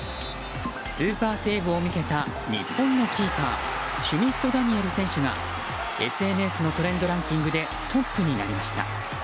スーパーセーブを見せた日本のキーパーシュミット・ダニエル選手がＳＮＳのトレンドランキングでトップになりました。